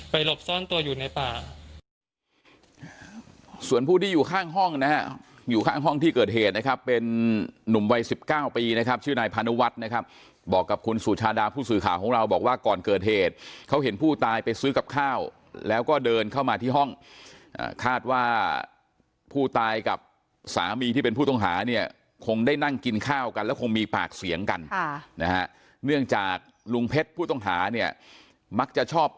ไปหลบซ่อนตัวอยู่ในป่าส่วนผู้ที่อยู่ข้างห้องนะฮะอยู่ข้างห้องที่เกิดเหตุนะครับเป็นหนุ่มวัยสิบเก้าปีนะครับชื่อนายพาณวัตรนะครับบอกกับคุณสุชาดาผู้สื่อข่าวของเราบอกว่าก่อนเกิดเหตุเขาเห็นผู้ตายไปซื้อกับข้าวแล้วก็เดินเข้ามาที่ห้องอ่าคาดว่าผู้ตายกับสามีที่เป็นผู้ต้องหาเนี่ยคงได้นั่งกินข้าวก